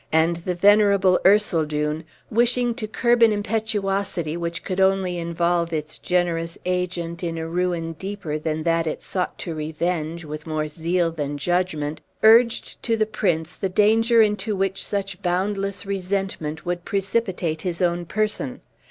And the venerable Ercildown, wishing to curb an impetuosity which could only involve its generous agent in a ruin deeper than that it sought to revenge, with more zeal than judgment, urged to the prince the danger into which such boundless resentment would precipitate his own person.